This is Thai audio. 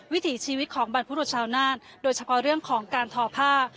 วิถีชีวิตของบรรพรุษชาวนานโดยเฉพาะเรื่องของการทอผ้า